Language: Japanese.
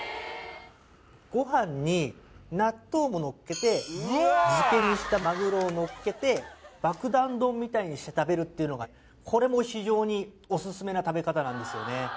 ごはんに納豆ものっけて漬けにしたマグロをのっけてばくだん丼みたいにして食べるっていうのがこれも非常にオススメな食べ方なんですよね